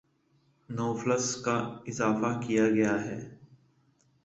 نو فلس کا اضافہ کیا گیا ہے